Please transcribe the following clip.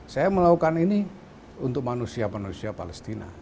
saya melakukan ini untuk manusia manusia palestina